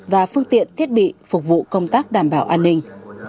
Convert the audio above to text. và phương tiện thiết bị phục vụ công tác đảm bảo an ninh